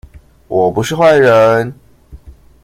我不是壞人